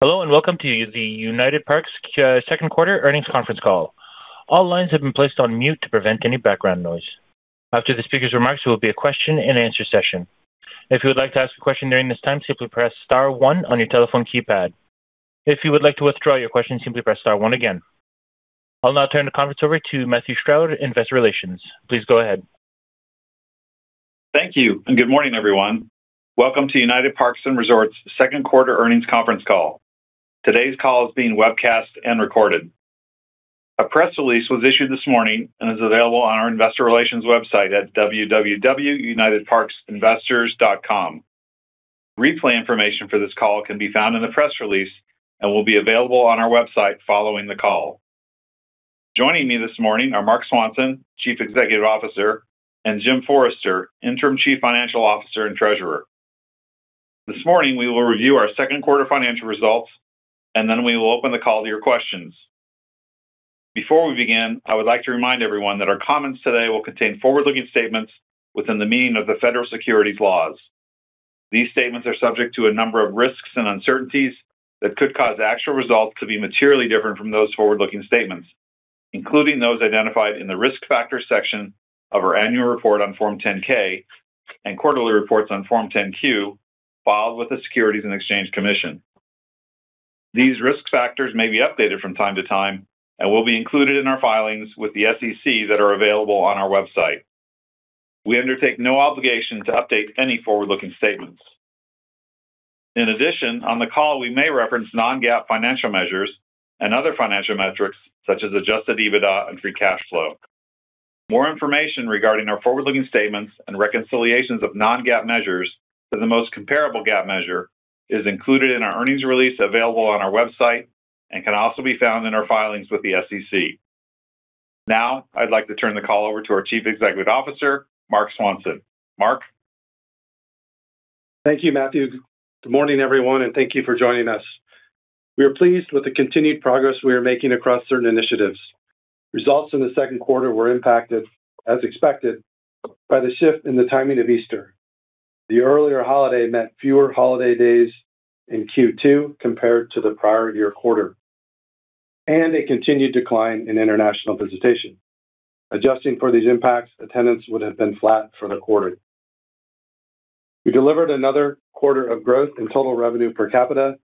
Hello, and welcome to the United Parks second quarter earnings conference call. All lines have been placed on mute to prevent any background noise. After the speaker's remarks, there will be a question-and-answer session. If you would like to ask a question during this time, simply press star one on your telephone keypad. If you would like to withdraw your question, simply press star one again. I'll now turn the conference over to Matthew Stroud in investor relations. Please go ahead. Thank you. Good morning, everyone. Welcome to United Parks & Resorts second quarter earnings conference call. Today's call is being webcast and recorded. A press release was issued this morning and is available on our investor relations website at unitedparks.com/investors. Replay information for this call can be found in the press release and will be available on our website following the call. Joining me this morning are Marc Swanson, Chief Executive Officer, and Jim Forrester, Interim Chief Financial Officer and Treasurer. This morning, we will review our second quarter financial results. Then we will open the call to your questions. Before we begin, I would like to remind everyone that our comments today will contain forward-looking statements within the meaning of the federal securities laws. These statements are subject to a number of risks and uncertainties that could cause actual results to be materially different from those forward-looking statements, including those identified in the Risk Factors section of our Annual Report on Form 10-K and quarterly reports on Form 10-Q filed with the Securities and Exchange Commission. These risk factors may be updated from time to time and will be included in our filings with the SEC that are available on our website. We undertake no obligation to update any forward-looking statements. In addition, on the call, we may reference non-GAAP financial measures and other financial metrics such as adjusted EBITDA and free cash flow. More information regarding our forward-looking statements and reconciliations of non-GAAP measures to the most comparable GAAP measure is included in our earnings release available on our website and can also be found in our filings with the SEC. Now, I'd like to turn the call over to our Chief Executive Officer, Marc Swanson. Marc? Thank you, Matthew. Good morning, everyone, and thank you for joining us. We are pleased with the continued progress we are making across certain initiatives. Results in the second quarter were impacted, as expected, by the shift in the timing of Easter. The earlier holiday meant fewer holiday days in Q2 compared to the prior year quarter, and a continued decline in international visitation. Adjusting for these impacts, attendance would have been flat for the quarter. We delivered another quarter of growth in total revenue per capita,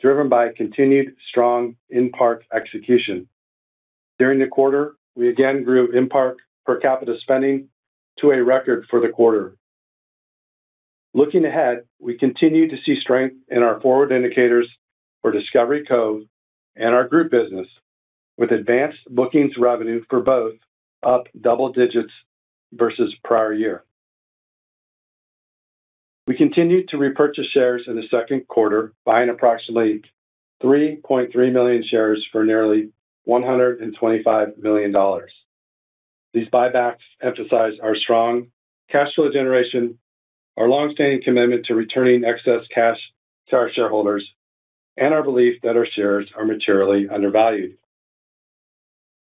driven by continued strong in-park execution. During the quarter, we again grew in-park per capita spending to a record for the quarter. Looking ahead, we continue to see strength in our forward indicators for Discovery Cove and our group business, with advanced bookings revenue for both up double-digits versus prior year. We continued to repurchase shares in the second quarter, buying approximately 3.3 million shares for nearly $125 million. These buybacks emphasize our strong cash flow generation, our long-standing commitment to returning excess cash to our shareholders, and our belief that our shares are materially undervalued.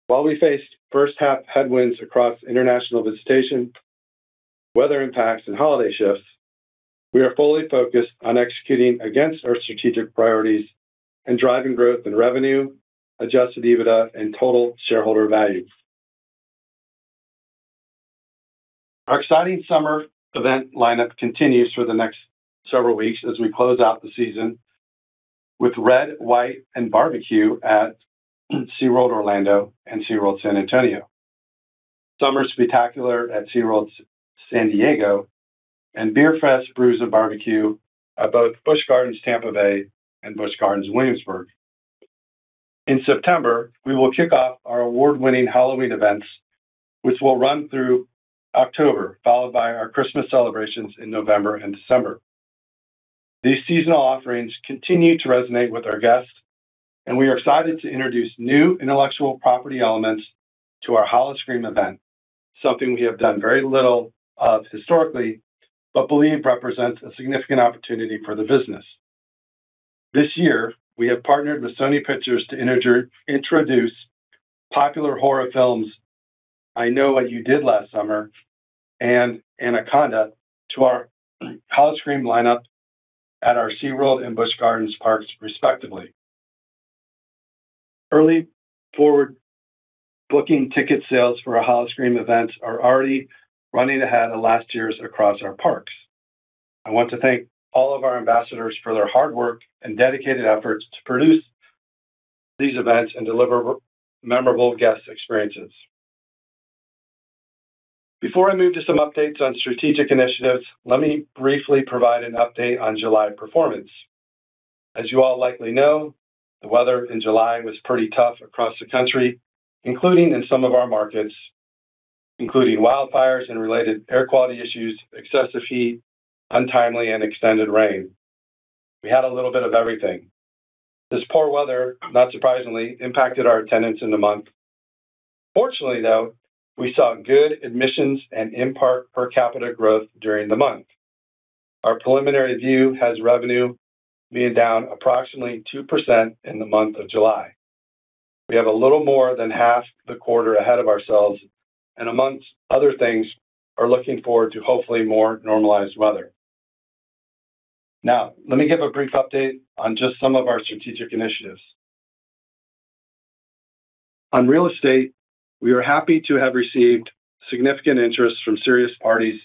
While we faced first half headwinds across international visitation, weather impacts, and holiday shifts, we are fully focused on executing against our strategic priorities and driving growth in revenue, adjusted EBITDA, and total shareholder value. Our exciting summer event lineup continues for the next several weeks as we close out the season with Red, White & BBQ at SeaWorld Orlando and SeaWorld San Antonio, Summer Spectacular at SeaWorld San Diego, and Bier Fest Brews, Barbecue at both Busch Gardens Tampa Bay and Busch Gardens Williamsburg. In September, we will kick off our award-winning Halloween events, which will run through October, followed by our Christmas celebrations in November and December. These seasonal offerings continue to resonate with our guests, and we are excited to introduce new intellectual property elements to our Howl-O-Scream event, something we have done very little of historically, but believe represents a significant opportunity for the business. This year, we have partnered with Sony Pictures to introduce popular horror films, I Know What You Did Last Summer and Anaconda, to our Howl-O-Scream lineup at our SeaWorld and Busch Gardens parks, respectively. Early forward booking ticket sales for our Howl-O-Scream events are already running ahead of last year's across our parks. I want to thank all of our ambassadors for their hard work and dedicated efforts to produce these events and deliver memorable guest experiences. Before I move to some updates on strategic initiatives, let me briefly provide an update on July performance. As you all likely know, the weather in July was pretty tough across the country, including in some of our markets, including wildfires and related air quality issues, excessive heat, untimely and extended rain. We had a little bit of everything. This poor weather, not surprisingly, impacted our attendance in the month. Fortunately, though, we saw good admissions and in-park per capita growth during the month. Our preliminary view has revenue being down approximately 2% in the month of July. We have a little more than half the quarter ahead of ourselves, and amongst other things, are looking forward to hopefully more normalized weather. Now, let me give a brief update on just some of our strategic initiatives. On real estate, we are happy to have received significant interest from serious parties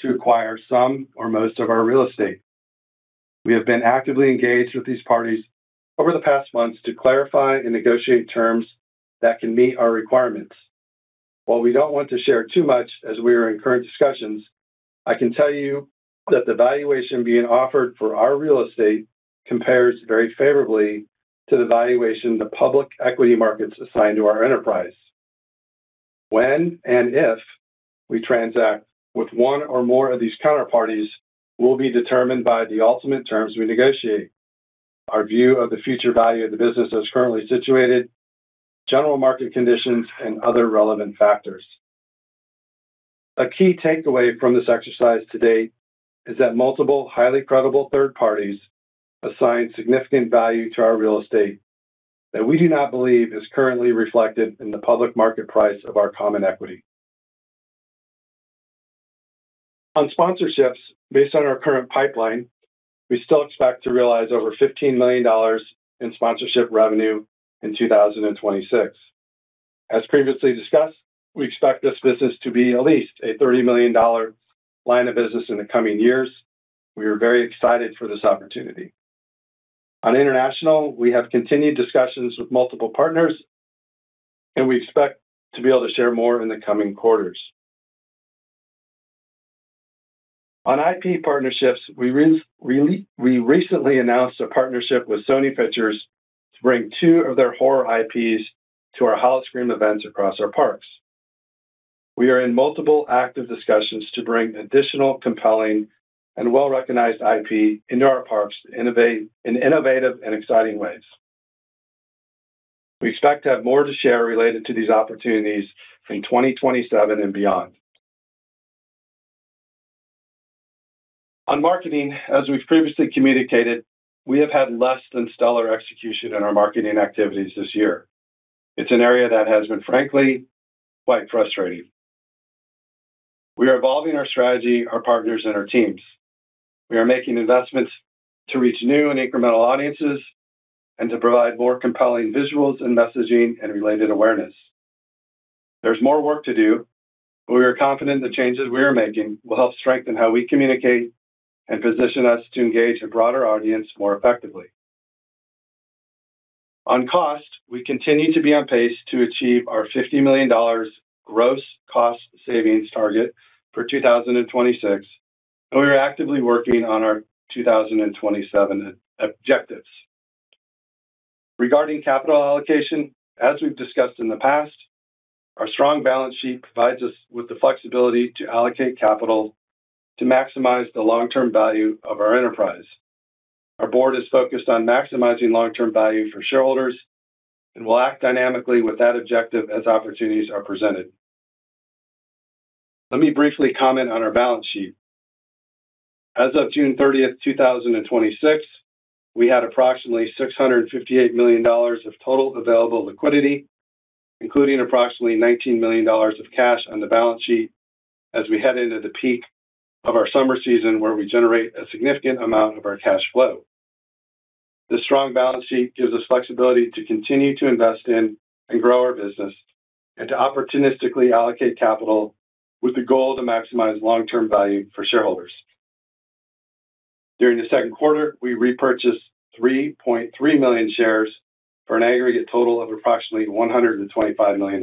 to acquire some or most of our real estate. We have been actively engaged with these parties over the past months to clarify and negotiate terms that can meet our requirements. While we don't want to share too much, as we are in current discussions, I can tell you that the valuation being offered for our real estate compares very favorably to the valuation the public equity markets assign to our enterprise. When and if we transact with one or more of these counterparties will be determined by the ultimate terms we negotiate. Our view of the future value of the business as currently situated, general market conditions, and other relevant factors. A key takeaway from this exercise to date is that multiple, highly credible third parties assign significant value to our real estate that we do not believe is currently reflected in the public market price of our common equity. On sponsorships, based on our current pipeline, we still expect to realize over $15 million in sponsorship revenue in 2026. As previously discussed, we expect this business to be at least a $30 million line of business in the coming years. We are very excited for this opportunity. On international, we have continued discussions with multiple partners, and we expect to be able to share more in the coming quarters. On IP partnerships, we recently announced a partnership with Sony Pictures to bring two of their horror IPs to our Halloween events across our parks. We are in multiple active discussions to bring additional compelling and well-recognized IP into our parks in innovative and exciting ways. We expect to have more to share related to these opportunities in 2027 and beyond. On marketing, as we've previously communicated, we have had less than stellar execution in our marketing activities this year. It's an area that has been, frankly, quite frustrating. We are evolving our strategy, our partners, and our teams. We are making investments to reach new and incremental audiences, and to provide more compelling visuals and messaging and related awareness. There's more work to do, but we are confident the changes we are making will help strengthen how we communicate and position us to engage a broader audience more effectively. On cost, we continue to be on pace to achieve our $50 million gross cost savings target for 2026, and we are actively working on our 2027 objectives. Regarding capital allocation, as we've discussed in the past, our strong balance sheet provides us with the flexibility to allocate capital to maximize the long-term value of our enterprise. Our board is focused on maximizing long-term value for shareholders and will act dynamically with that objective as opportunities are presented. Let me briefly comment on our balance sheet. As of June 30th, 2026, we had approximately $658 million of total available liquidity, including approximately $19 million of cash on the balance sheet as we head into the peak of our summer season, where we generate a significant amount of our cash flow. This strong balance sheet gives us flexibility to continue to invest in and grow our business, and to opportunistically allocate capital with the goal to maximize long-term value for shareholders. During the second quarter, we repurchased 3.3 million shares for an aggregate total of approximately $125 million.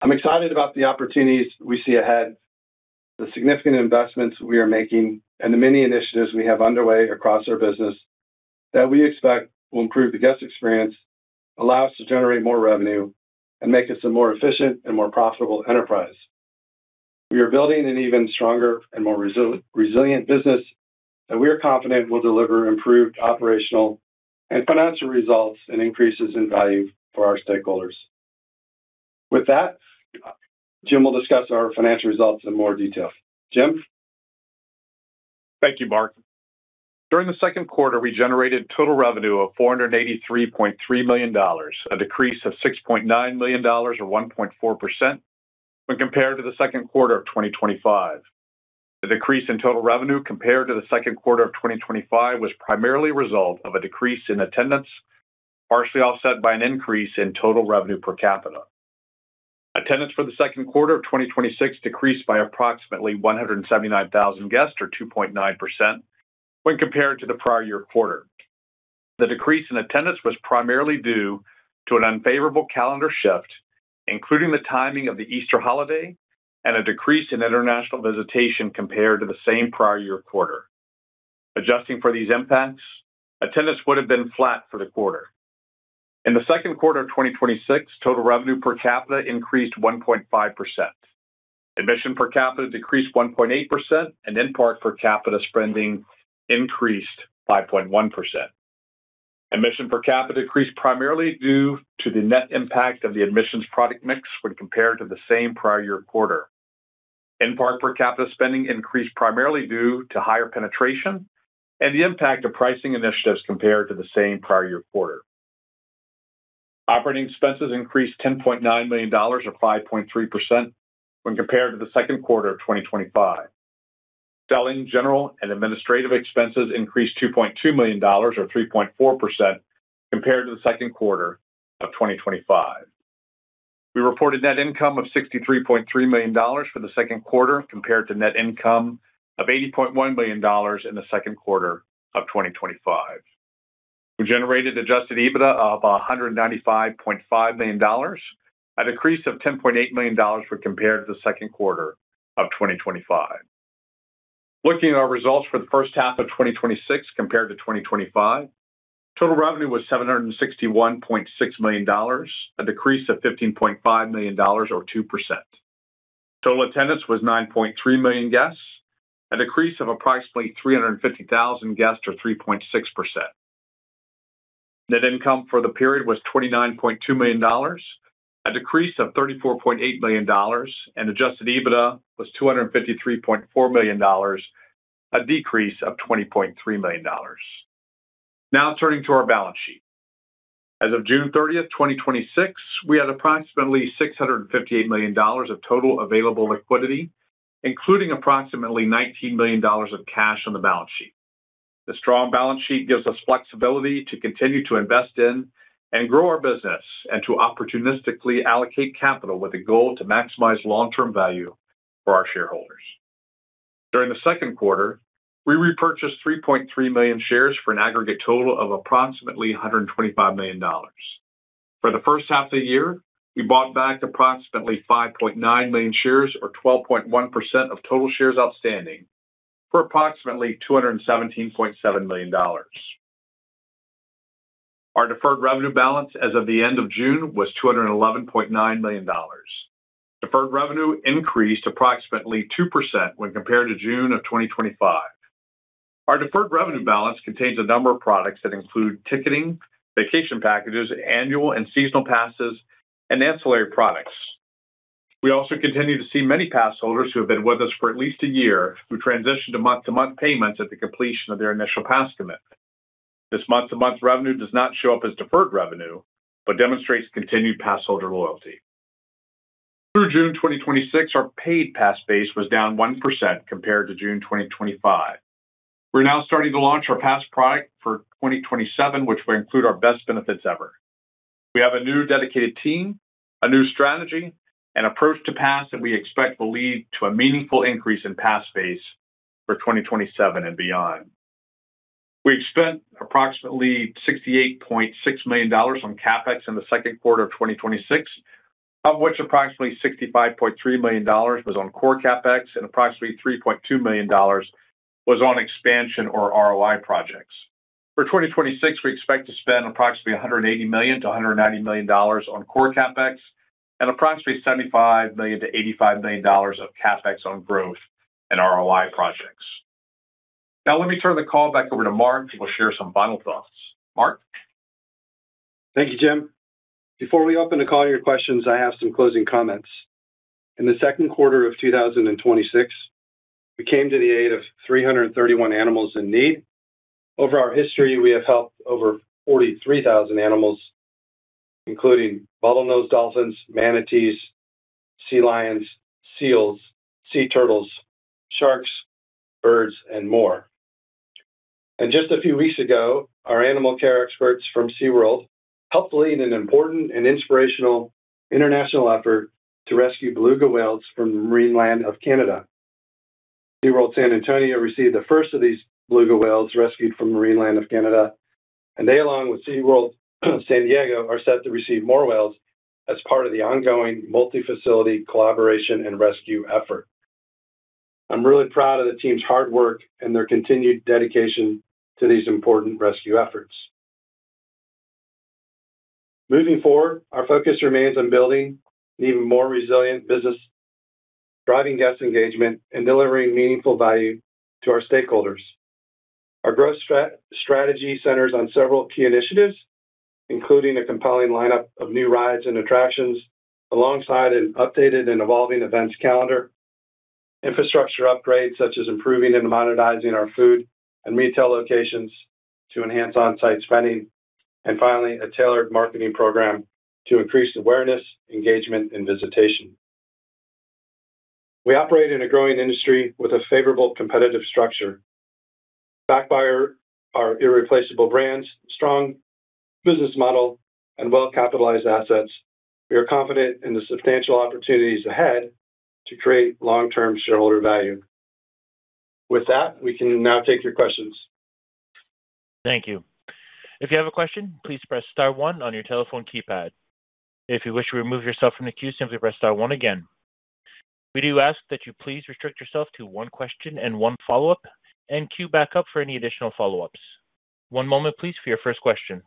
I'm excited about the opportunities we see ahead, the significant investments we are making, and the many initiatives we have underway across our business that we expect will improve the guest experience, allow us to generate more revenue, and make us a more efficient and more profitable enterprise. We are building an even stronger and more resilient business that we are confident will deliver improved operational and financial results and increases in value for our stakeholders. With that, Jim will discuss our financial results in more detail. Jim? Thank you, Marc. During the second quarter, we generated total revenue of $483.3 million, a decrease of $6.9 million, or 1.4% when compared to the second quarter of 2025. The decrease in total revenue compared to the second quarter of 2025 was primarily a result of a decrease in attendance, partially offset by an increase in total revenue per capita. Attendance for the second quarter of 2026 decreased by approximately 179,000 guests, or 2.9% when compared to the prior year quarter. The decrease in attendance was primarily due to an unfavorable calendar shift, including the timing of the Easter holiday and a decrease in international visitation compared to the same prior year quarter. Adjusting for these impacts, attendance would have been flat for the quarter. In the second quarter of 2026, total revenue per capita increased 1.5%. Admission per capita decreased 1.8%, and in-park per capita spending increased 5.1%. Admission per capita decreased primarily due to the net impact of the admissions product mix when compared to the same prior year quarter. In-park per capita spending increased primarily due to higher penetration and the impact of pricing initiatives compared to the same prior year quarter. Operating expenses increased $10.9 million, or 5.3%, when compared to the second quarter of 2025. Selling, general, and administrative expenses increased $2.2 million, or 3.4%, compared to the second quarter of 2025. We reported net income of $63.3 million for the second quarter compared to net income of $80.1 million in the second quarter of 2025. We generated adjusted EBITDA of $195.5 million, a decrease of $10.8 million when compared to the second quarter of 2025. Looking at our results for the first half of 2026 compared to 2025, total revenue was $761.6 million, a decrease of $15.5 million or 2%. Total attendance was 9.3 million guests, a decrease of approximately 350,000 guests or 3.6%. Net income for the period was $29.2 million, a decrease of $34.8 million, and adjusted EBITDA was $253.4 million, a decrease of $20.3 million. Turning to our balance sheet. As of June 30th, 2026, we had approximately $658 million of total available liquidity, including approximately $19 million of cash on the balance sheet. The strong balance sheet gives us flexibility to continue to invest in and grow our business and to opportunistically allocate capital with a goal to maximize long-term value for our shareholders. During the second quarter, we repurchased 3.3 million shares for an aggregate total of approximately $125 million. For the first half of the year, we bought back approximately 5.9 million shares or 12.1% of total shares outstanding for approximately $217.7 million. Our deferred revenue balance as of the end of June was $211.9 million. Deferred revenue increased approximately 2% when compared to June of 2025. Our deferred revenue balance contains a number of products that include ticketing, vacation packages, annual and seasonal passes, and ancillary products. We also continue to see many pass holders who have been with us for at least a year who transitioned to month-to-month payments at the completion of their initial pass commitment. This month-to-month revenue does not show up as deferred revenue, but demonstrates continued pass holder loyalty. Through June 2026, our paid pass base was down 1% compared to June 2025. We are now starting to launch our pass product for 2027, which will include our best benefits ever. We have a new dedicated team, a new strategy, an approach to pass that we expect will lead to a meaningful increase in pass base for 2027 and beyond. We have spent approximately $68.6 million on CapEx in the second quarter of 2026, of which approximately $65.3 million was on core CapEx and approximately $3.2 million was on expansion or ROI projects. For 2026, we expect to spend approximately $180 million-$190 million on core CapEx and approximately $75 million-$85 million of CapEx on growth and ROI projects. Let me turn the call back over to Marc, who will share some final thoughts. Marc? Thank you, Jim. Before we open the call to your questions, I have some closing comments. In the second quarter of 2026, we came to the aid of 331 animals in need. Over our history, we have helped over 43,000 animals, including bottlenose dolphins, manatees, sea lions, seals, sea turtles, sharks, birds, and more. Just a few weeks ago, our animal care experts from SeaWorld helped lead an important and inspirational international effort to rescue beluga whales from Marineland of Canada. SeaWorld San Antonio received the first of these beluga whales rescued from Marineland of Canada, and they, along with SeaWorld San Diego, are set to receive more whales as part of the ongoing multi-facility collaboration and rescue effort. I am really proud of the team's hard work and their continued dedication to these important rescue efforts. Moving forward, our focus remains on building an even more resilient business, driving guest engagement, and delivering meaningful value to our stakeholders. Our growth strategy centers on several key initiatives, including a compelling lineup of new rides and attractions, alongside an updated and evolving events calendar, infrastructure upgrades such as improving and modernizing our food and retail locations to enhance on-site spending, and finally, a tailored marketing program to increase awareness, engagement, and visitation. We operate in a growing industry with a favorable competitive structure. Backed by our irreplaceable brands, strong business model, and well-capitalized assets, we are confident in the substantial opportunities ahead to create long-term shareholder value. With that, we can now take your questions. Thank you. If you have a question, please press star one on your telephone keypad. If you wish to remove yourself from the queue, simply press star one again. We do ask that you please restrict yourself to one question and one follow-up and queue back up for any additional follow-ups. One moment please for your first question.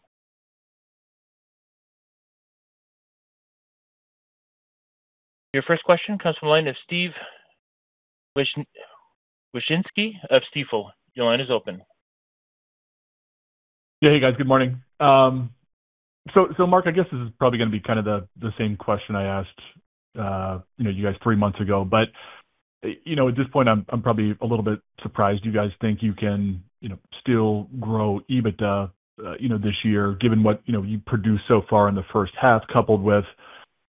Your first question comes from the line of Steven Wieczynski of Stifel. Your line is open Yeah. Hey, guys. Good morning. Marc, I guess this is probably going to be kind of the same question I asked you guys three months ago. At this point, I'm probably a little bit surprised you guys think you can still grow EBITDA this year, given what you've produced so far in the first half, coupled with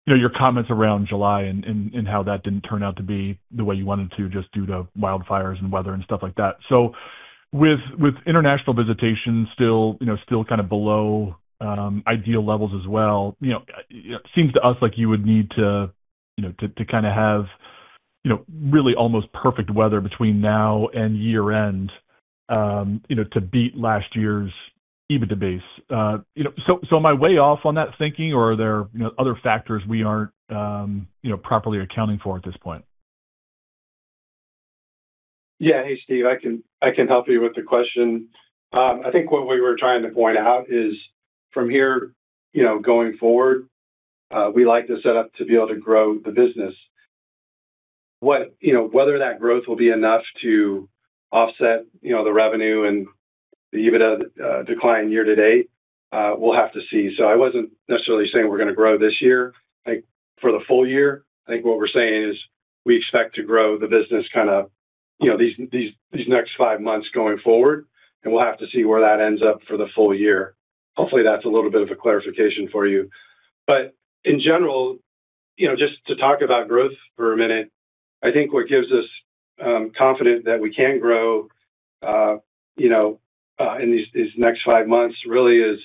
your comments around July and how that didn't turn out to be the way you wanted it to, just due to wildfires and weather and stuff like that. With international visitation still kind of below ideal levels as well, it seems to us like you would need to kind of have really almost perfect weather between now and year-end to beat last year's EBITDA base. Am I way off on that thinking, or are there other factors we aren't properly accounting for at this point? Yeah. Hey, Steve. I can help you with the question. I think what we were trying to point out is from here going forward, we like to set up to be able to grow the business. Whether that growth will be enough to offset the revenue and the EBITDA decline year-to-date, we'll have to see. I wasn't necessarily saying we're going to grow this year, like for the full-year. I think what we're saying is we expect to grow the business kind of these next five months going forward, and we'll have to see where that ends up for the full-year. Hopefully, that's a little bit of a clarification for you. In general, just to talk about growth for a minute, I think what gives us confidence that we can grow in these next five months, really is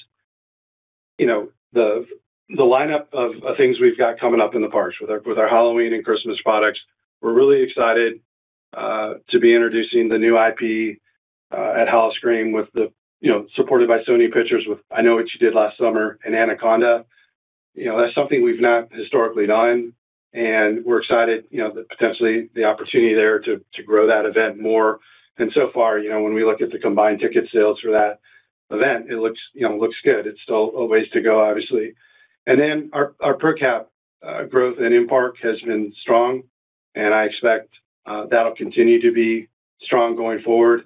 the lineup of things we've got coming up in the parks with our Halloween and Christmas products. We're really excited to be introducing the new IP at Howl-O-Scream supported by Sony Pictures with I Know What You Did Last Summer and Anaconda. That's something we've not historically done, and we're excited potentially the opportunity there to grow that event more. So far when we look at the combined ticket sales for that event, it looks good. It's still a ways to go, obviously. Then our per cap growth and in-park has been strong, and I expect that'll continue to be strong going forward.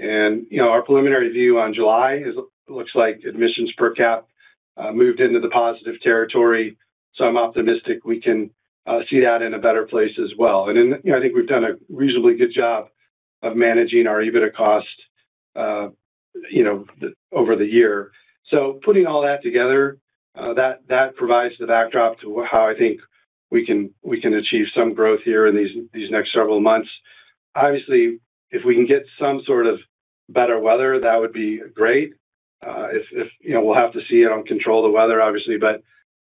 Our preliminary view on July, it looks like admissions per cap moved into the positive territory, I'm optimistic we can see that in a better place as well. I think we've done a reasonably good job of managing our EBITDA cost over the year. Putting all that together, that provides the backdrop to how I think we can achieve some growth here in these next several months. Obviously, if we can get some sort of better weather, that would be great. We'll have to see. I don't control the weather, obviously, but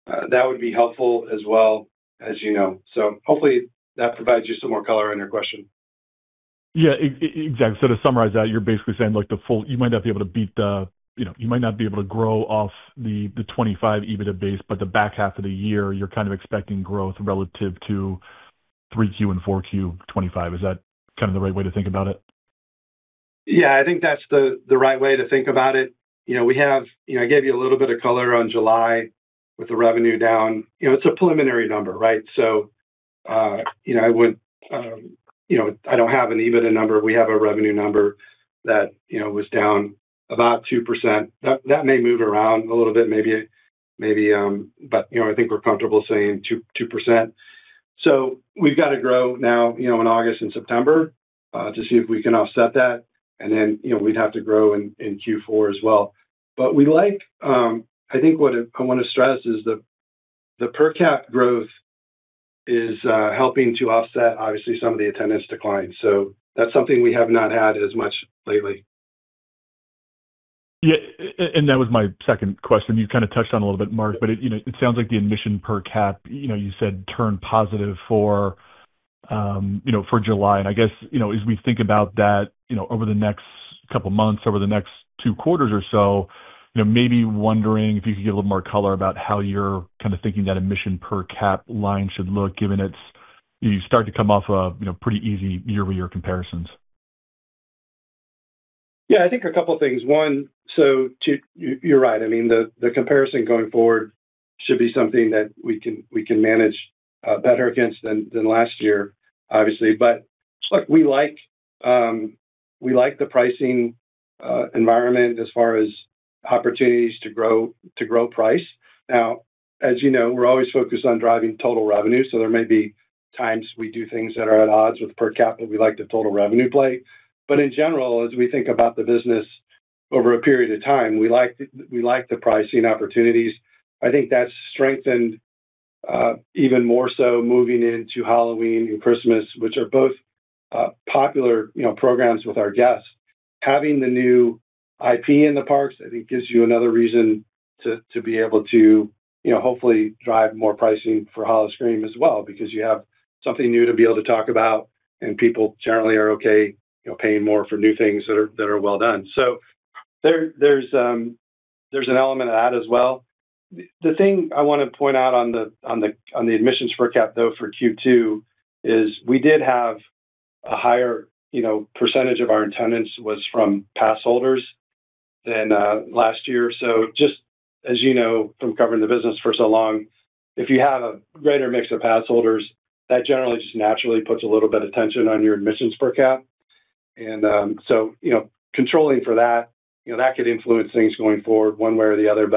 that would be helpful as well as you know. Hopefully, that provides you some more color on your question. Yeah. Exactly. To summarize that, you're basically saying you might not be able to grow off the 2025 EBITDA base, but the back half of the year, you're kind of expecting growth relative to 3Q and 4Q 2025. Is that kind of the right way to think about it? Yeah, I think that's the right way to think about it. I gave you a little bit of color on July with the revenue down. It's a preliminary number, right? I don't have an EBITDA number. We have a revenue number that was down about 2%. That may move around a little bit maybe. I think we're comfortable saying 2%. We've got to grow now in August and September, to see if we can offset that, and then we'd have to grow in Q4 as well. I think what I want to stress is the per cap growth is helping to offset, obviously, some of the attendance declines. That's something we have not had as much lately. Yeah. That was my second question. You kind of touched on it a little bit, Marc, but it sounds like the admission per cap, you said turned positive for July. I guess, as we think about that over the next couple of months, over the next two quarters or so, maybe wondering if you could give a little more color about how you're kind of thinking that admission per cap line should look, given you start to come off of pretty easy year-over-year comparisons. I think a couple of things. One, you're right. I mean, the comparison going forward should be something that we can manage better against than last year, obviously. Look, we like the pricing environment as far as opportunities to grow price. As you know, we're always focused on driving total revenue, so there may be times we do things that are at odds with per capita. We like the total revenue play. In general, as we think about the business over a period of time, we like the pricing opportunities. I think that's strengthened even more so moving into Halloween and Christmas, which are both popular programs with our guests. Having the new IP in the parks, I think gives you another reason to be able to hopefully drive more pricing for Howl-O-Scream as well, because you have something new to be able to talk about, and people generally are okay paying more for new things that are well done. There's an element of that as well. The thing I want to point out on the admissions per cap, though, for Q2, is we did have a higher percentage of our attendance was from pass holders than last year. Just as you know from covering the business for so long, if you have a greater mix of pass holders, that generally just naturally puts a little bit of tension on your admissions per cap. Controlling for that could influence things going forward one way or the other.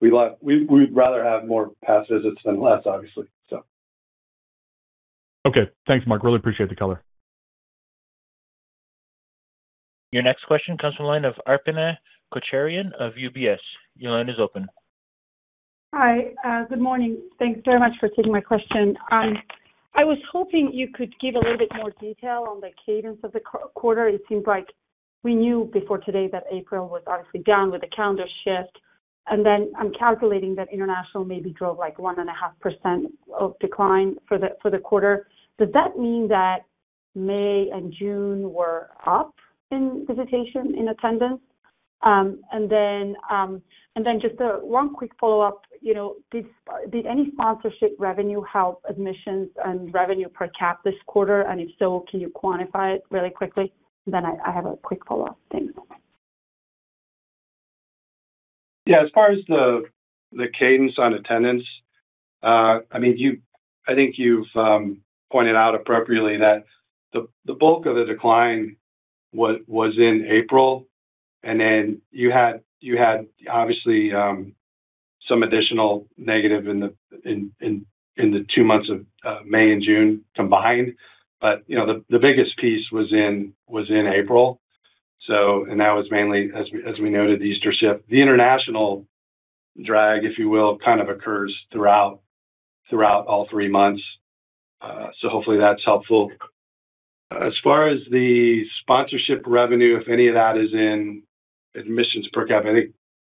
We'd rather have more pass visits than less, obviously, so. Okay. Thanks, Marc. Really appreciate the color. Your next question comes from the line of Arpine Kocharyan of UBS. Your line is open. Hi. Good morning. Thanks very much for taking my question. I was hoping you could give a little bit more detail on the cadence of the quarter. It seems like we knew before today that April was obviously down with the calendar shift. I'm calculating that international maybe drove like 1.5% of decline for the quarter. Does that mean that May and June were up in visitation, in attendance? Just one quick follow-up. Did any sponsorship revenue help admissions and revenue per cap this quarter? If so, can you quantify it really quickly? I have a quick follow-up. Thanks. Yeah. As far as the cadence on attendance, I think you've pointed out appropriately that the bulk of the decline was in April. You had, obviously, some additional negative in the two months of May and June combined. The biggest piece was in April. That was mainly, as we noted, the Easter shift. The international drag, if you will, kind of occurs throughout all three months. Hopefully that's helpful. As far as the sponsorship revenue, if any of that is in admissions per cap, I think.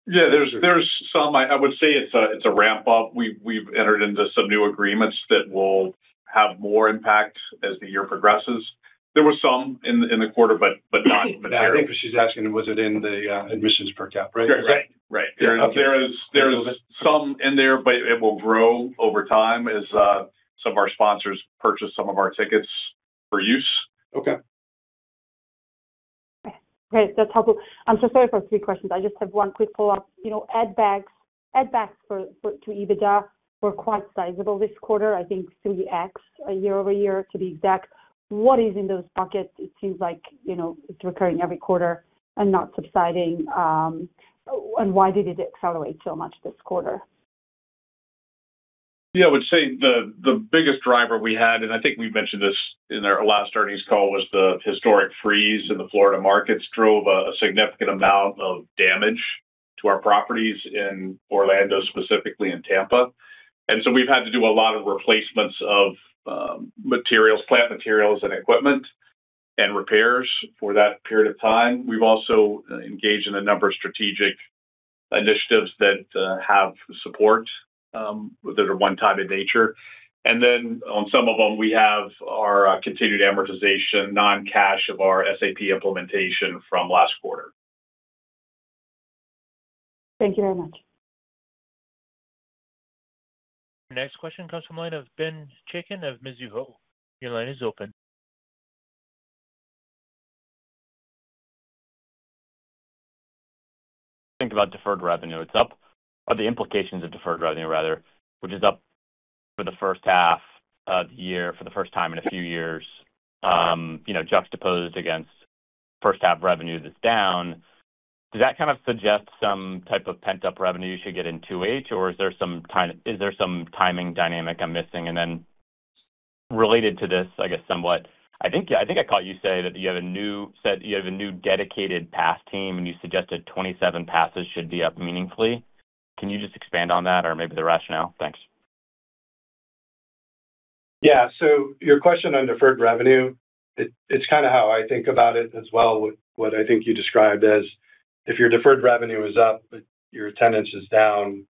Yeah, there's some. I would say it's a ramp-up. We've entered into some new agreements that will have more impact as the year progresses. There was some in the quarter, but not material. I think she's asking was it in the admissions per cap, right? Right. There is some in there, it will grow over time as some of our sponsors purchase some of our tickets for use. Okay. Great. That's helpful. I'm so sorry for three questions. I just have one quick follow-up. Add backs to EBITDA were quite sizable this quarter, I think three x year-over-year, to be exact. What is in those buckets? It seems like it's recurring every quarter and not subsiding. Why did it accelerate so much this quarter? Yeah. I would say the biggest driver we had, and I think we mentioned this in our last earnings call, was the historic freeze in the Florida markets drove a significant amount of damage to our properties in Orlando, specifically in Tampa. We've had to do a lot of replacements of materials, plant materials and equipment, and repairs for that period of time. We've also engaged in a number of strategic initiatives that have support, that are one-time in nature. On some of them, we have our continued amortization, non-cash of our SAP implementation from last quarter. Thank you very much. Your next question comes from the line of Ben Chaiken of Mizuho. Your line is open. Think about deferred revenue. It's up or the implications of deferred revenue rather, which is up for the first half of the year, for the first time in a few years, juxtaposed against first half revenue that's down. Does that kind of suggest some type of pent-up revenue you should get in 2H, or is there some timing dynamic I'm missing? Related to this, I guess somewhat, I think I caught you say that you have a new dedicated pass team, and you suggested 2027 passes should be up meaningfully. Can you just expand on that or maybe the rationale? Thanks. Yeah. Your question on deferred revenue, it's kind of how I think about it as well, what I think you described as if your deferred revenue is up, but your attendance is down,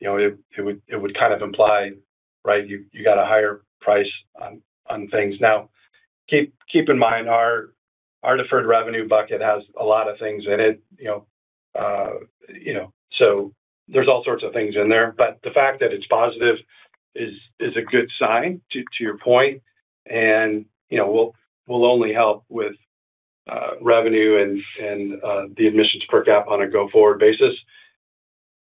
it would kind of imply you got a higher price on things. Keep in mind, our deferred revenue bucket has a lot of things in it. There's all sorts of things in there, but the fact that it's positive is a good sign to your point, and will only help with revenue and the admissions per capita on a go-forward basis.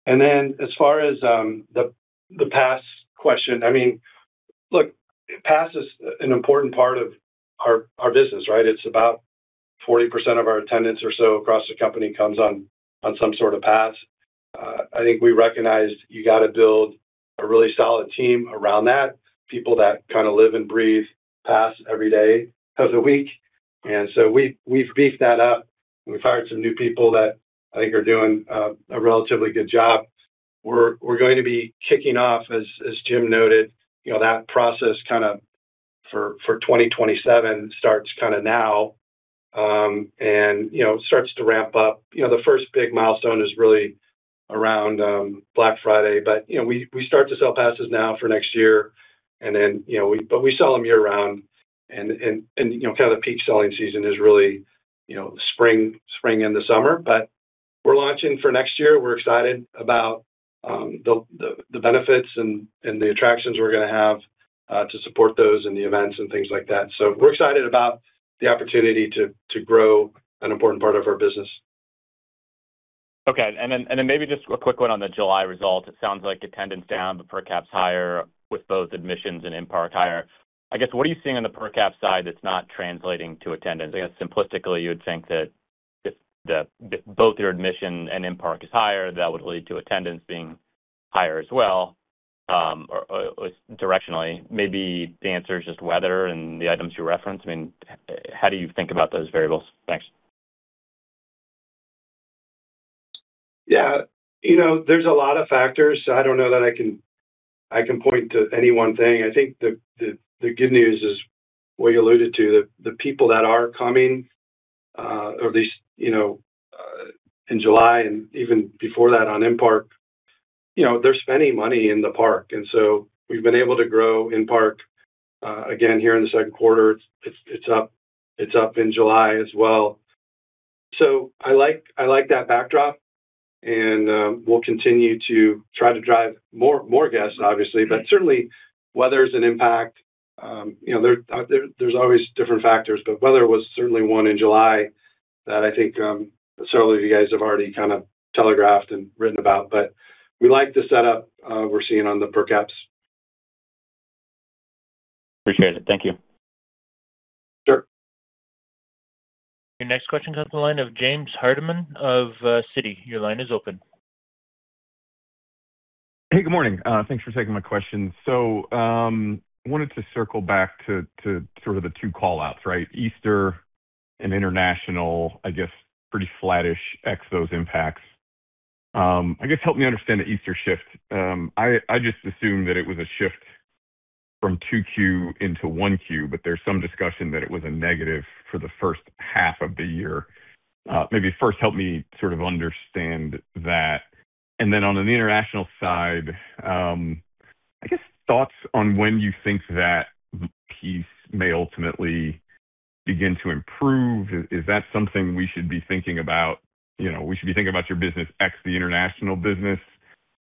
As far as the pass question, look, pass is an important part of our business, right? It's about 40% of our attendance or so across the company comes on some sort of pass. I think we recognized you got to build a really solid team around that. People that kind of live and breathe pass every day of the week. We've beefed that up. We've hired some new people that I think are doing a relatively good job. We're going to be kicking off, as Jim noted, that process for 2027 starts kind of now, and starts to ramp up. The first big milestone is really around Black Friday. We start to sell passes now for next year, but we sell them year-round, and kind of the peak selling season is really spring into summer. We're launching for next year. We're excited about the benefits and the attractions we're going to have to support those and the events and things like that. We're excited about the opportunity to grow an important part of our business. Okay. Maybe just a quick one on the July results. It sounds like attendance down, but per caps higher with both admissions and in-park higher. I guess, what are you seeing on the per cap side that's not translating to attendance? I guess simplistically, you would think that if both your admission and in-park is higher, that would lead to attendance being higher as well, directionally. Maybe the answer is just weather and the items you referenced. How do you think about those variables? Thanks. Yeah. There's a lot of factors. I don't know that I can point to any one thing. I think the good news is what you alluded to, that the people that are coming, or at least in July and even before that on in-park, they're spending money in the park. We've been able to grow in-park again here in the second quarter. It's up in July as well. I like that backdrop, and we'll continue to try to drive more guests, obviously. Certainly, weather's an impact. There's always different factors, but weather was certainly one in July that I think certainly you guys have already kind of telegraphed and written about. We like the setup we're seeing on the per caps. Appreciate it. Thank you. Sure. Your next question comes the line of James Hardiman of Citi. Your line is open. Hey, good morning. Thanks for taking my question. I wanted to circle back to sort of the two call-outs, right? Easter and international, I guess pretty flattish ex those impacts. I guess help me understand the Easter shift. I just assumed that it was a shift from 2Q into 1Q, There's some discussion that it was a negative for the first half of the year. Maybe first help me sort of understand that, then on the international side, I guess thoughts on when you think that piece may ultimately begin to improve. Is that something we should be thinking about your business ex the international business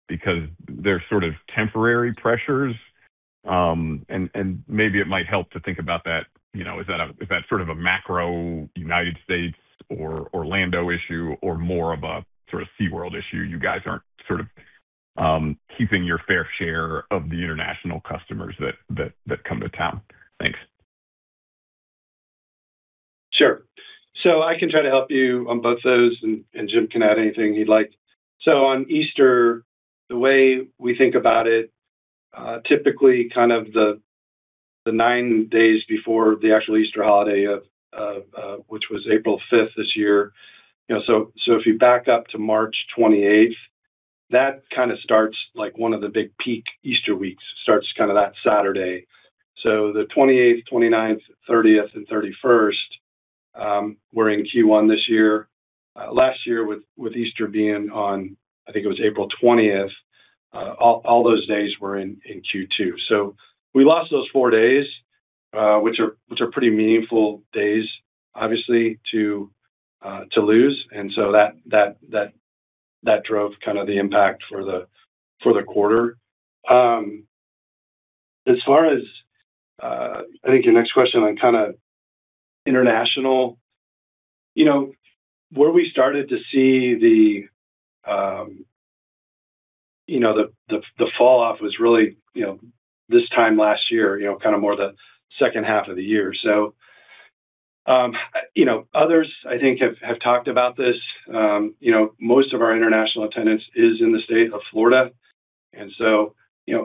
because they're sort of temporary pressures? Maybe it might help to think about that, is that sort of a macro United States or Orlando issue or more of a sort of SeaWorld issue, you guys aren't sort of keeping your fair share of the international customers that come to town. Thanks. Sure. I can try to help you on both those, and Jim can add anything he'd like. On Easter, the way we think about it, typically kind of the nine days before the actual Easter holiday, which was April 5th this year. If you back up to March 28th, that kind of starts like one of the big peak Easter weeks, starts kind of that Saturday. The 28th, 29th, 30th, and 31st were in Q1 this year. Last year with Easter being on, I think it was April 20th, all those days were in Q2. We lost those four days, which are pretty meaningful days, obviously, to lose. That drove kind of the impact for the quarter. As far as, I think your next question on kind of international. Where we started to see the fall off was really this time last year, kind of more the second half of the year. Others I think have talked about this. Most of our international attendance is in the state of Florida,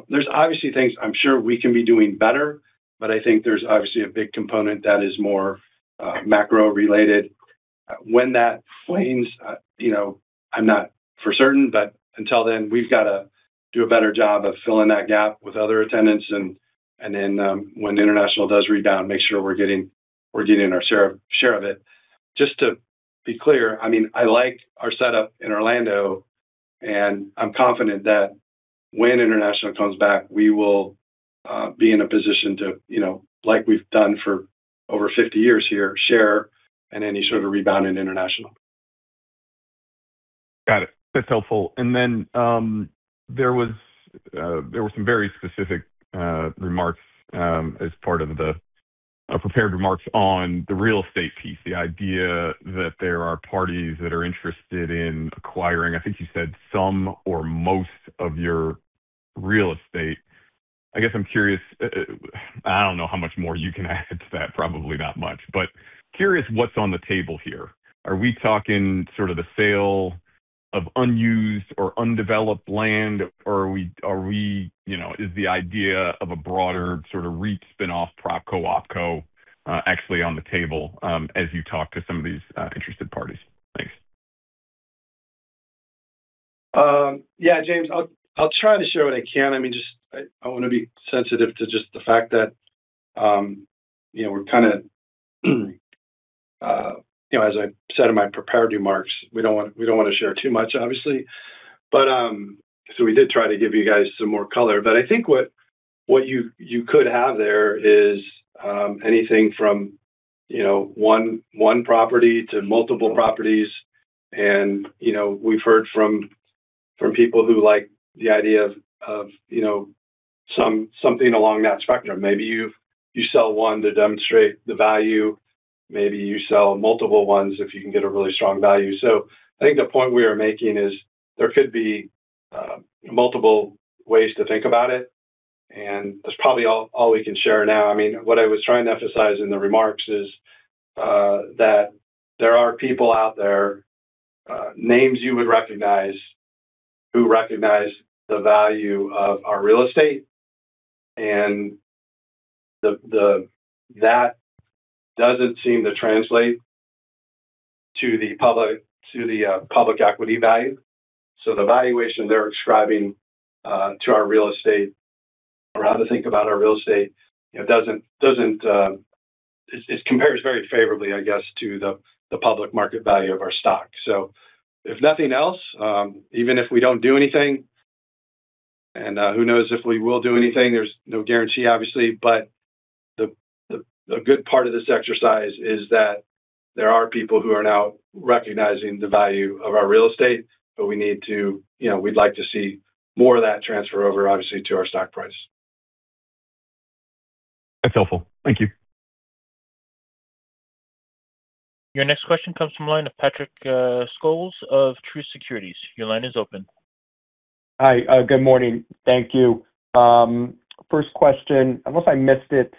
there's obviously things I'm sure we can be doing better, but I think there's obviously a big component that is more macro-related. When that flames, I'm not for certain, but until then, we've got to do a better job of filling that gap with other attendance and then when international does rebound, make sure we're getting our share of it. Just to be clear, I like our setup in Orlando, and I'm confident that when international comes back, we will be in a position to, like we've done for over 50 years here, share in any sort of rebound in international. Got it. That's helpful. There were some very specific remarks as part of the prepared remarks on the real estate piece, the idea that there are parties that are interested in acquiring, I think you said some or most of your real estate. I guess I'm curious, I don't know how much more you can add to that, probably not much, but curious what's on the table here. Are we talking sort of the sale of unused or undeveloped land, or is the idea of a broader sort of REIT spin-off, PropCo/OpCo, actually on the table as you talk to some of these interested parties? Thanks. Yeah, James. I'll try to share what I can. I want to be sensitive to just the fact that we're kind of, as I said in my prepared remarks, we don't want to share too much, obviously. We did try to give you guys some more color, but I think what you could have there is anything from one property to multiple properties, and we've heard from people who like the idea of something along that spectrum. Maybe you sell one to demonstrate the value. Maybe you sell multiple ones if you can get a really strong value. I think the point we are making is there could be multiple ways to think about it, and that's probably all we can share now. What I was trying to emphasize in the remarks is that there are people out there, names you would recognize, who recognize the value of our real estate, and that doesn't seem to translate to the public equity value. The valuation they're ascribing to our real estate, or how to think about our real estate, it compares very favorably, I guess, to the public market value of our stock. If nothing else, even if we don't do anything, and who knows if we will do anything, there's no guarantee, obviously. The good part of this exercise is that there are people who are now recognizing the value of our real estate, but we'd like to see more of that transfer over, obviously, to our stock price. That's helpful. Thank you. Your next question comes from the line of Patrick Scholes of Truist Securities. Your line is open. Hi. Good morning. Thank you. First question, unless I missed it,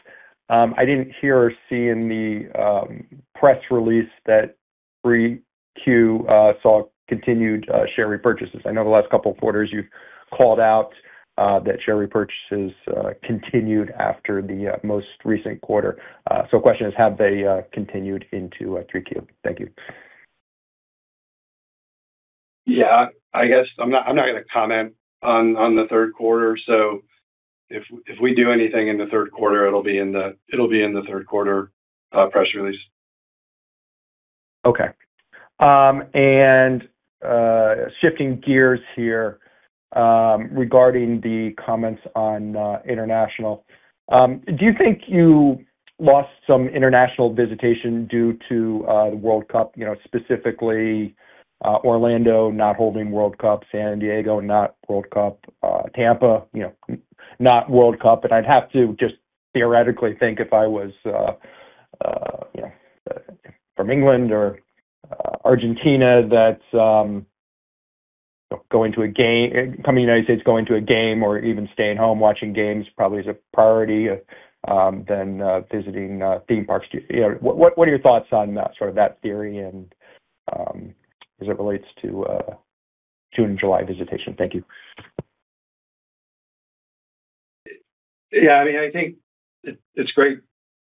I didn't hear or see in the press release that 3Q saw continued share repurchases. I know the last couple of quarters you've called out that share repurchases continued after the most recent quarter. Question is, have they continued into 3Q? Thank you. Yeah. I'm not going to comment on the third quarter. If we do anything in the third quarter, it'll be in the third quarter press release. Okay. Shifting gears here regarding the comments on international. Do you think you lost some international visitation due to the World Cup? Specifically Orlando not holding World Cup, San Diego not World Cup, Tampa not World Cup. I'd have to just theoretically think if I was from England or Argentina, coming to the United States, going to a game, or even staying home watching games probably is a priority than visiting theme parks. What are your thoughts on sort of that theory and as it relates to June and July visitation? Thank you. Yeah. I think it's great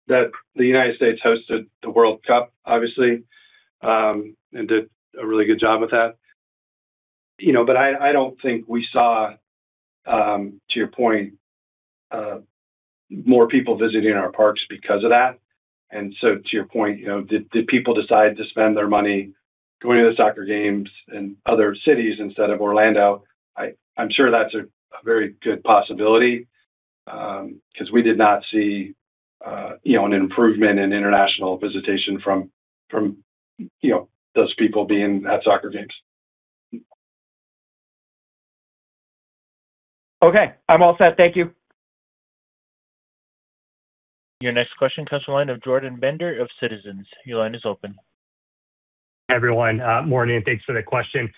that the United States hosted the World Cup, obviously, and did a really good job with that. I don't think we saw, to your point, more people visiting our parks because of that. To your point, did people decide to spend their money going to the soccer games in other cities instead of Orlando? I'm sure that's a very good possibility, because we did not see an improvement in international visitation from those people being at soccer games. Okay. I'm all set. Thank you. Your next question comes from the line of Jordan Bender of Citizens. Your line is open. Everyone, morning and thanks for the question.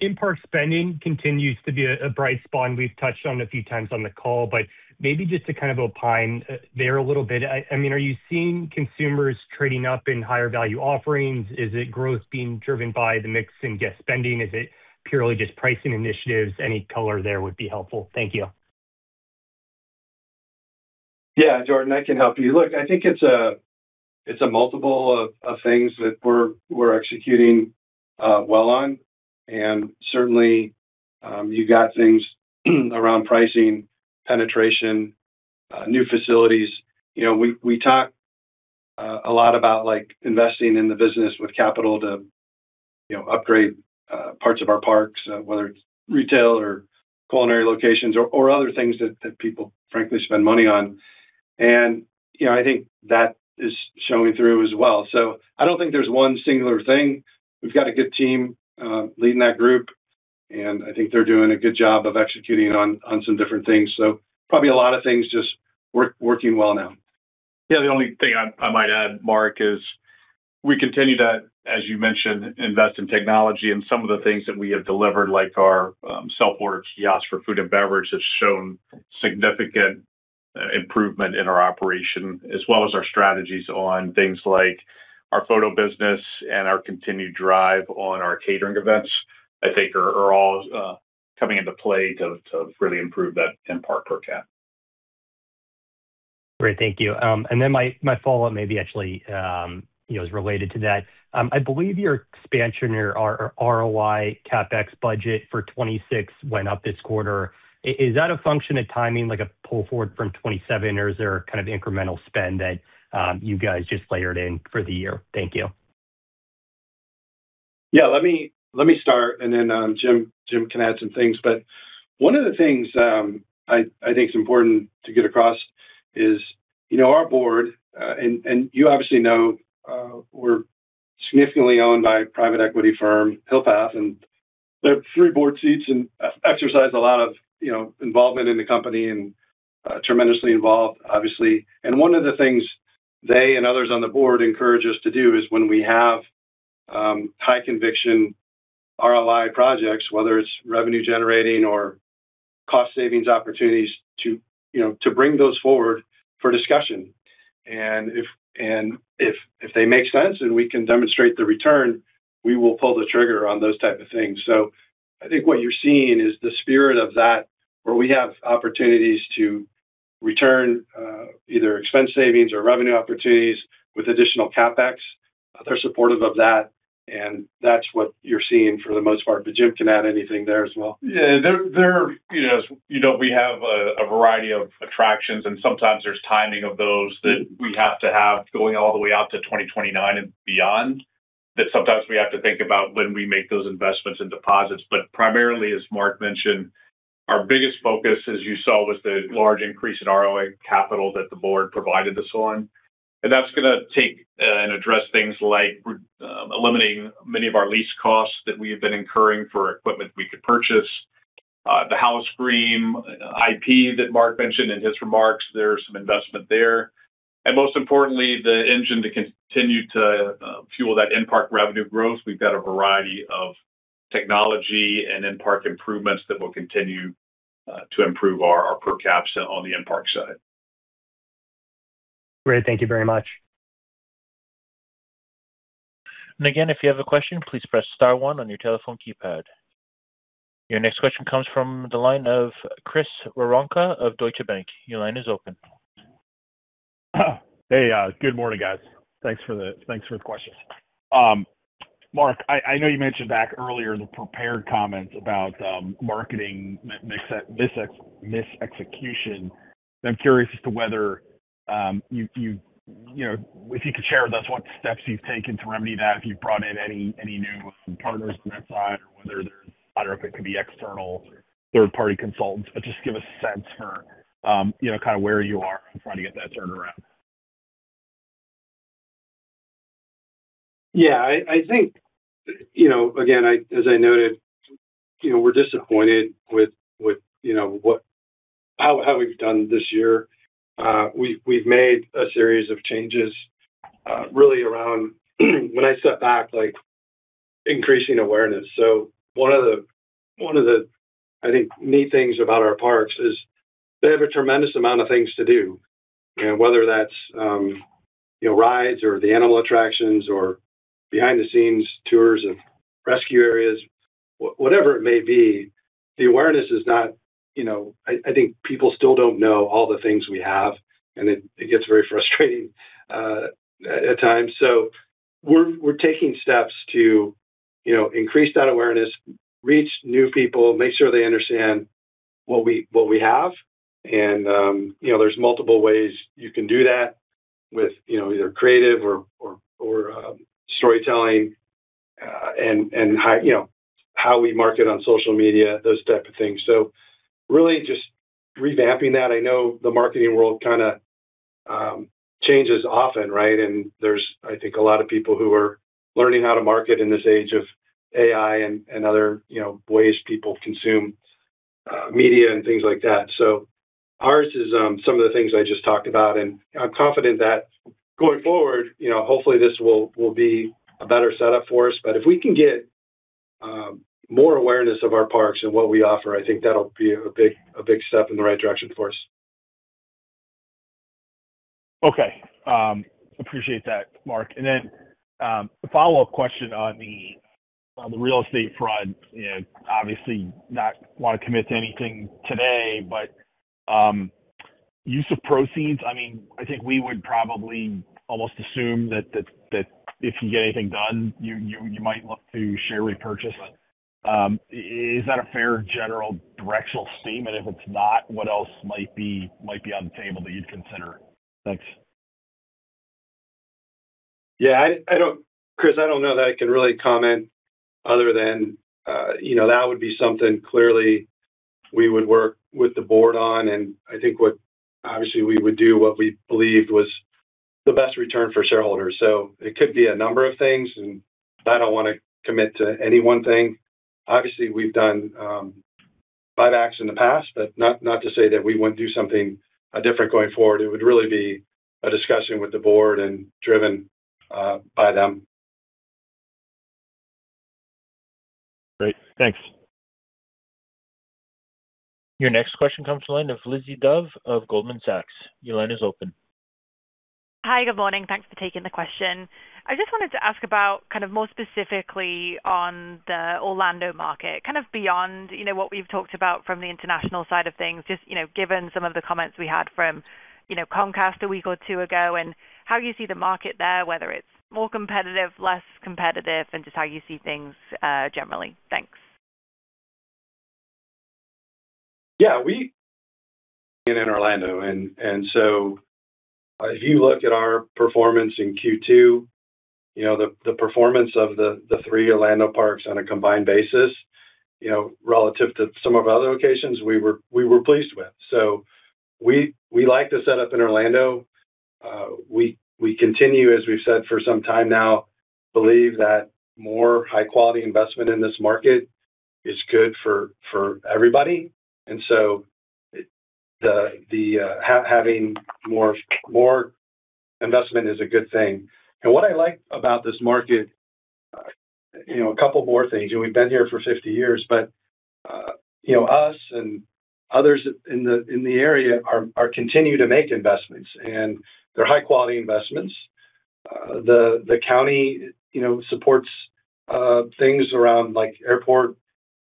In-park spending continues to be a bright spot. We've touched on a few times on the call, but maybe just to kind of opine there a little bit. Are you seeing consumers trading up in higher value offerings? Is it growth being driven by the mix in guest spending? Is it purely just pricing initiatives? Any color there would be helpful. Thank you. Yeah, Jordan, I can help you. Look, I think it's a multiple of things that we're executing well on. Certainly, you got things around pricing, penetration, new facilities. We talk a lot about investing in the business with capital to upgrade parts of our parks, whether it's retail or culinary locations or other things that people frankly spend money on. I think that is showing through as well. I don't think there's one singular thing. We've got a good team leading that group, and I think they're doing a good job of executing on some different things. Probably a lot of things just working well now. Yeah, the only thing I might add, Marc, is we continue to, as you mentioned, invest in technology and some of the things that we have delivered, like our self-order kiosks for food and beverage, has shown significant improvement in our operation, as well as our strategies on things like our photo business and our continued drive on our catering events, I think are all coming into play to really improve that in-park per cap. Great. Thank you. My follow-up maybe actually is related to that. I believe your expansion or ROI CapEx budget for 2026 went up this quarter. Is that a function of timing, like a pull forward from 2027, or is there a kind of incremental spend that you guys just layered in for the year? Thank you. Let me start, then Jim can add some things. One of the things I think is important to get across is our board, and you obviously know We're significantly owned by private equity firm Hill Path, and they have three board seats and exercise a lot of involvement in the company, and tremendously involved, obviously. One of the things they and others on the board encourage us to do is when we have high conviction ROI projects, whether it's revenue generating or cost savings opportunities, to bring those forward for discussion. If they make sense and we can demonstrate the return, we will pull the trigger on those type of things. I think what you're seeing is the spirit of that, where we have opportunities to return either expense savings or revenue opportunities with additional CapEx. They're supportive of that, and that's what you're seeing for the most part. Jim can add anything there as well. We have a variety of attractions, and sometimes there's timing of those that we have to have going all the way out to 2029 and beyond, that sometimes we have to think about when we make those investments and deposits. Primarily, as Marc mentioned, our biggest focus, as you saw, was the large increase in ROI capital that the board provided us on. That's going to take and address things like eliminating many of our lease costs that we have been incurring for equipment we could purchase. The Howl-O-Scream IP that Marc mentioned in his remarks, there's some investment there. Most importantly, the engine to continue to fuel that in-park revenue growth. We've got a variety of technology and in-park improvements that will continue to improve our per capita on the in-park side. Great. Thank you very much. Again if you have a question, please press star one on your telephone keypad. Your next question comes from the line of Chris Woronka of Deutsche Bank. Your line is open. Hey, good morning, guys. Thanks for the questions. Marc, I know you mentioned back earlier in the prepared comments about marketing mis-execution. I'm curious as to whether you could share with us what steps you've taken to remedy that, if you've brought in any new partners from that side or whether there's external third-party consultants, just give a sense for where you are trying to get that turned around. Yeah. I think, again, as I noted, we're disappointed with how we've done this year. We've made a series of changes really around when I step back, like increasing awareness. One of the, I think, neat things about our parks is they have a tremendous amount of things to do. Whether that's rides or the animal attractions or behind-the-scenes tours of rescue areas, whatever it may be, I think people still don't know all the things we have, and it gets very frustrating at times. We're taking steps to increase that awareness, reach new people, make sure they understand what we have. There's multiple ways you can do that with either creative or storytelling, and how we market on social media, those type of things. Really just revamping that. I know the marketing world kind of changes often, right? There's, I think, a lot of people who are learning how to market in this age of AI and other ways people consume media and things like that. Ours is some of the things I just talked about, and I'm confident that going forward, hopefully this will be a better setup for us. If we can get more awareness of our parks and what we offer, I think that'll be a big step in the right direction for us. Okay. Appreciate that, Marc. Then, a follow-up question on the real estate front. Obviously, not want to commit to anything today, use of proceeds, I think we would probably almost assume that if you get anything done, you might look to share repurchase. Is that a fair general directional statement? If it's not, what else might be on the table that you'd consider? Thanks. Yeah. Chris, I don't know that I can really comment other than that would be something clearly we would work with the board on. I think what obviously we would do what we believed was the best return for shareholders. It could be a number of things. I don't want to commit to any one thing. Obviously, we've done buybacks in the past, not to say that we wouldn't do something different going forward. It would really be a discussion with the board and driven by them. Great. Thanks. Your next question comes from the line of Lizzie Dove of Goldman Sachs. Your line is open. Hi. Good morning. Thanks for taking the question. I just wanted to ask about kind of more specifically on the Orlando market, kind of beyond what we've talked about from the international side of things, just given some of the comments we had from Comcast a week or two ago, and how you see the market there, whether it's more competitive, less competitive, and just how you see things generally. Thanks. Yeah. We in Orlando. If you look at our performance in Q2, the performance of the three Orlando parks on a combined basis .Relative to some of our other locations, we were pleased with. We like the setup in Orlando. We continue, as we've said for some time now, believe that more high-quality investment in this market is good for everybody. Having more investment is a good thing. What I like about this market, a couple more things, and we've been here for 50 years, but us and others in the area continue to make investments, and they're high-quality investments. The county supports things around airport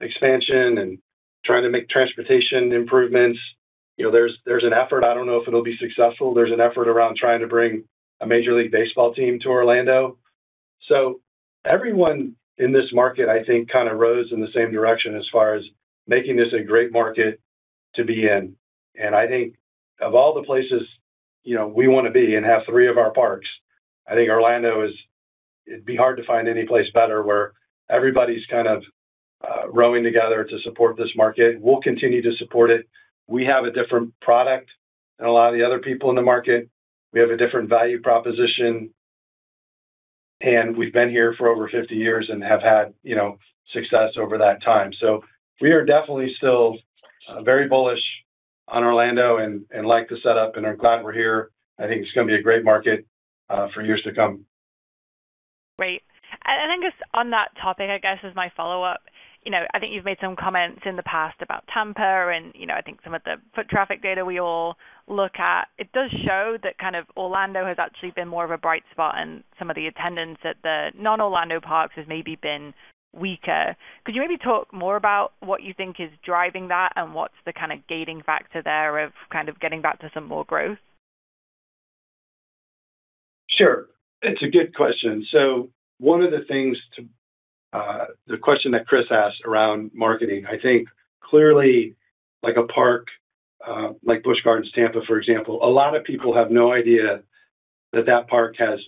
expansion and trying to make transportation improvements. There's an effort, I don't know if it'll be successful, there's an effort around trying to bring a Major League Baseball team to Orlando. Everyone in this market, I think, kind of rows in the same direction as far as making this a great market to be in. I think of all the places we want to be and have three of our parks, I think Orlando, it'd be hard to find any place better where everybody's kind of rowing together to support this market. We'll continue to support it. We have a different product than a lot of the other people in the market. We have a different value proposition, and we've been here for over 50 years and have had success over that time. We are definitely still very bullish on Orlando and like the set up and are glad we're here. I think it's going to be a great market for years to come. Great. Just on that topic, I guess, is my follow-up. I think you've made some comments in the past about Tampa and I think some of the foot traffic data we all look at. It does show that kind of Orlando has actually been more of a bright spot and some of the attendance at the non-Orlando parks has maybe been weaker. Could you maybe talk more about what you think is driving that and what's the kind of gating factor there of kind of getting back to some more growth? Sure. It's a good question. One of the things, the question that Chris asked around marketing, I think clearly like a park like Busch Gardens Tampa, for example, a lot of people have no idea that park has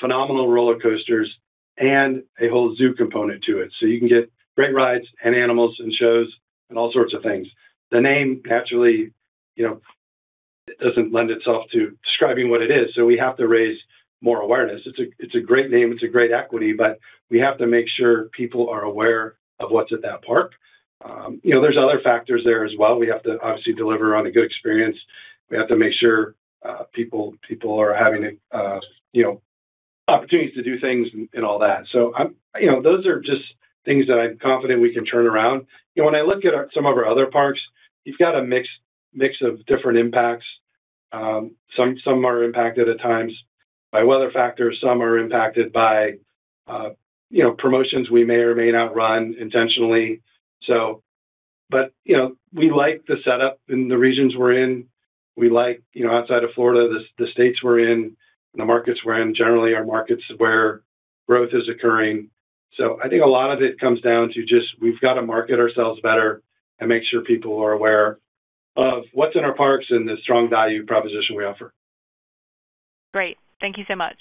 phenomenal roller coasters and a whole zoo component to it. You can get great rides and animals and shows and all sorts of things. The name naturally doesn't lend itself to describing what it is, so we have to raise more awareness. It's a great name, it's a great equity, but we have to make sure people are aware of what's at that park. There's other factors there as well. We have to obviously deliver on a good experience. We have to make sure people are having opportunities to do things and all that. Those are just things that I'm confident we can turn around. When I look at some of our other parks, you've got a mix of different impacts. Some are impacted at times by weather factors, some are impacted by promotions we may or may not run intentionally. We like the setup in the regions we're in. We like, outside of Florida, the states we're in and the markets we're in. Generally are markets where growth is occurring. I think a lot of it comes down to just we've got to market ourselves better and make sure people are aware of what's in our parks and the strong value proposition we offer. Great. Thank you so much.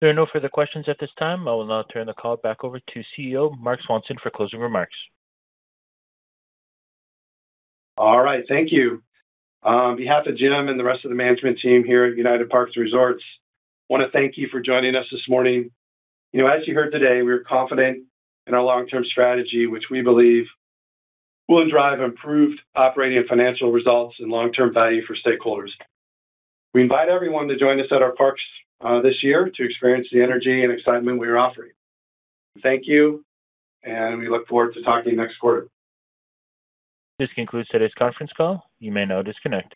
There are no further questions at this time. I will now turn the call back over to CEO, Marc Swanson for closing remarks. All right, thank you. On behalf of Jim and the rest of the management team here at United Parks & Resorts, I want to thank you for joining us this morning. As you heard today, we are confident in our long-term strategy, which we believe will drive improved operating and financial results and long-term value for stakeholders. We invite everyone to join us at our parks this year to experience the energy and excitement we are offering. Thank you, and we look forward to talking to you next quarter. This concludes today's conference call. You may now disconnect.